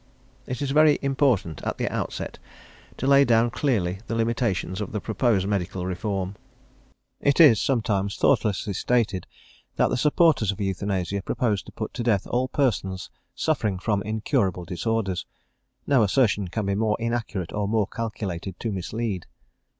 It is very important, at the outset, to lay down clearly the limitations of the proposed medical reform. It is, sometimes, thoughtlessly stated that the supporters of euthanasia propose to put to death all persons suffering from incurable disorders; no assertion can be more inaccurate or more calculated to mislead.